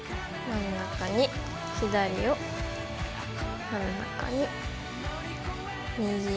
真ん中に左を真ん中に右を。